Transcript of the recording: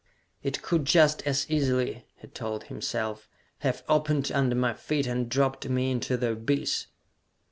"It could just as easily," he told himself, "have opened under my feet, and dropped me into the abyss!"